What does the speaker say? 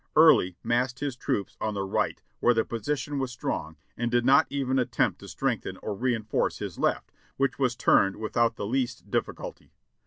Early massed his troops on the right where the position was strong and did not even attempt to strengthen or reinforce his left, which was turned without the least difficulty.